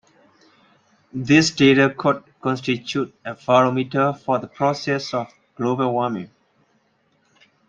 This data could constitute a barometer for the process of global warming.